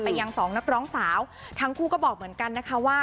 ยังสองนักร้องสาวทั้งคู่ก็บอกเหมือนกันนะคะว่า